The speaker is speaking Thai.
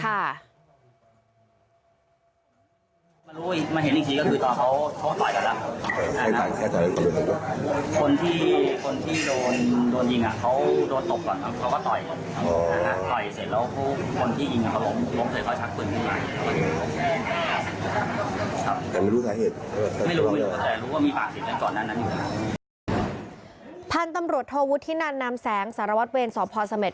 พันธุ์ตำรวจโทวุฒินันนามแสงสารวัตรเวรสพเสม็ด